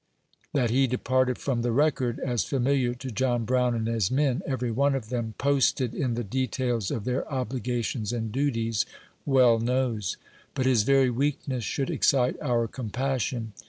That he departed from the record, as familiar to John Brown and his men, every one of them " posted " in the details of their obligations and duties, well knows ; but his very weakness should excite our compassion.